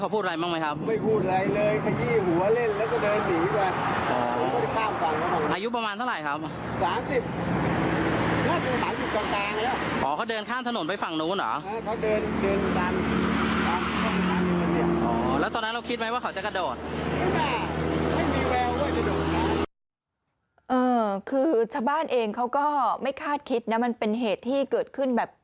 คือชาวบ้านเองเขาก็ไม่คาดคิดนะมันเป็นเหตุที่เกิดขึ้นแบบ